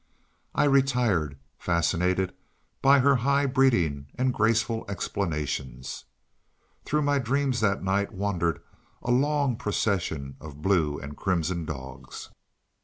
I retired, fascinated by her high breeding and graceful explanations. Through my dreams that night wandered a long procession of blue and crimson dogs.